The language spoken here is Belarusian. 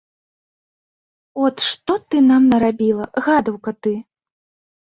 От што ты нам нарабіла, гадаўка ты!